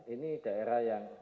ini daerah yang